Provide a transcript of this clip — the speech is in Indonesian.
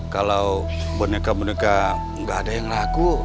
kalau boneka boneka nggak ada yang laku